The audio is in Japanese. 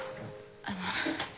あの